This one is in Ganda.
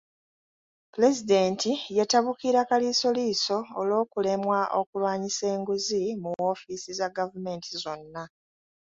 Pulezidenti yatabukira Kaliisoliiso olw’okulemwa okulwanyisa enguzi mu woofiisi za gavumenti zonna.